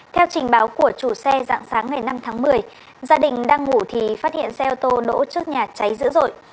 theo trình báo của chủ xe dạng sáng ngày năm tháng một mươi gia đình đang ngủ thì phát hiện xe ô tô đỗ trước nhà cháy dữ dội